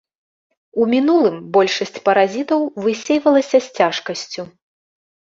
У мінулым большасць паразітаў высейвалася з цяжкасцю.